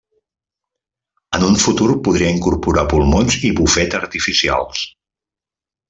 En un futur podria incorporar pulmons i bufeta artificials.